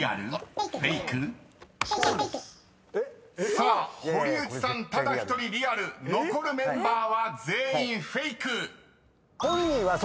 ［さあ堀内さんただ１人リアル残るメンバーは全員フェイク］